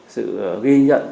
sự ghi nhận